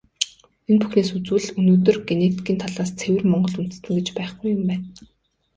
Энэ бүхнээс үзвэл, өнөөдөр генетикийн талаас ЦЭВЭР МОНГОЛ ҮНДЭСТЭН гэж байхгүй юм байна.